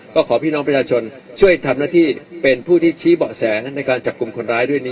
ก็ขอพี่น้องประชาชนช่วยทำหน้าที่เป็นผู้ที่ชี้เบาะแสในการจับกลุ่มคนร้ายด้วยนี้